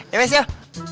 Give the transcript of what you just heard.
ya bes yuk